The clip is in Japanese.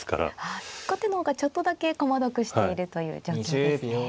はい後手の方がちょっとだけ駒得しているという状況ですね。